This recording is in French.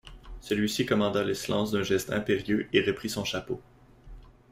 Celui-ci commanda le silence d'un geste impérieux et reprit son chapeau.